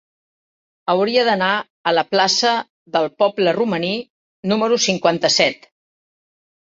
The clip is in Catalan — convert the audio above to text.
Hauria d'anar a la plaça del Poble Romaní número cinquanta-set.